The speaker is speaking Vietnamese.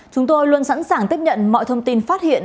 chúng tôi luôn sẵn sàng tiếp nhận mọi thông tin phát hiện